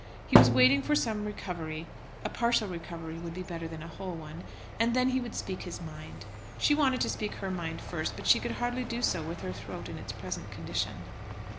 He was waiting for some recovery, a partial recovery would be better than a whole one, and then he would speak his mind. She wanted to speak her mind first, but she could hardly do so with her throat in its present condition.